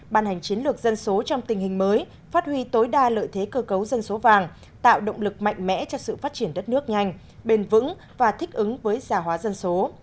bàn hành chiến lược dân số trong tình hình mới phát huy tối đa lợi thế cơ cấu dân số vàng tạo động lực mạnh mẽ cho sự phát triển đất nước nhanh bền vững và thích ứng với gia hóa dân số